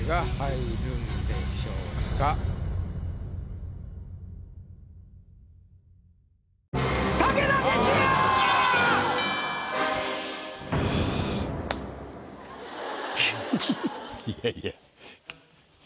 いやいや。